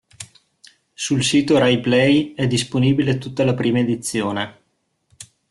Sul sito "Rai Play" è disponibile tutta la prima edizione.